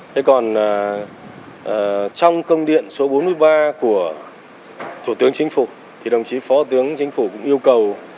thế còn trong công điện số bốn mươi ba của thủ tướng chính phủ thì đồng chí phó thủ tướng chính phủ cũng yêu cầu